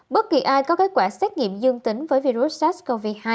bất kỳ ai có kết quả xét nghiệm dương tính với virus sars cov hai